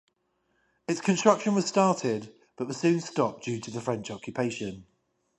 Its construction was started, but was soon stopped due to the French occupation.